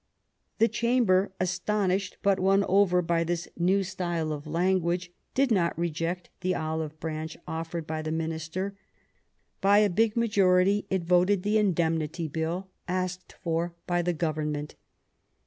The Chamber, astonished, but won over by this new style of language, did not reject the olive branch offered by the Minister ; by a big majority, G 97 Bismarck it voted the Indemnity Bill asked for by the Government.